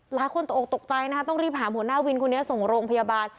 ตกออกตกใจนะคะต้องรีบหาหัวหน้าวินคนนี้ส่งโรงพยาบาล